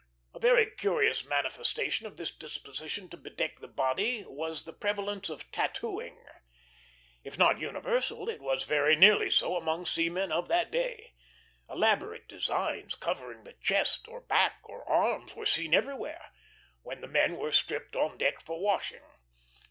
A very curious manifestation of this disposition to bedeck the body was the prevalence of tattooing. If not universal, it was very nearly so among seamen of that day. Elaborate designs covering the chest, or back, or arms, were seen everywhere, when the men were stripped on deck for washing.